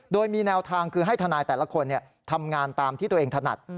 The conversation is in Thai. โดยมีแนวทางคือให้ทนายแต่ละคนทำงานตามที่ตัวเองถนัด